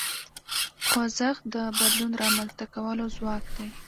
خوځښت د بدلون رامنځته کولو ځواک دی.